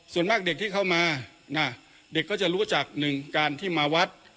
ส่วนมากเด็กที่เข้ามาเด็กก็จะรู้จักหนึ่งการที่มาวัด